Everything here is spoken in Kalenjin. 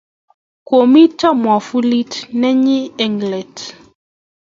Koo meto mwavulit nenyi eng let